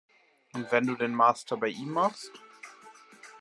Und wenn du den Master bei ihm machst?